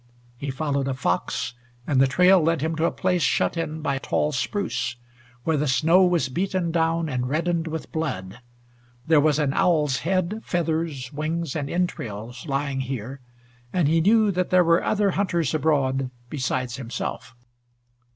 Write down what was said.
He followed a fox, and the trail led him to a place shut in by tall spruce, where the snow was beaten down and reddened with blood. There was an owl's head, feathers, wings and entrails lying here, and he knew that there were other hunters abroad besides himself.